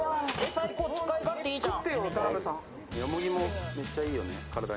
最高、使い勝手いいじゃん。